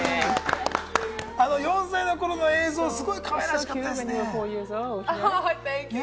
４歳の頃の映像、すごいかわいらしかったですね。